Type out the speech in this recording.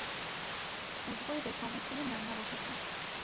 মধুপুরীতে সমস্তদিন রান্না বসেছে।